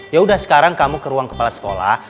yaudah sekarang kamu ke ruang kepala sekolah